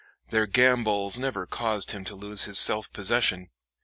Their gambols never caused him to lose his self possession.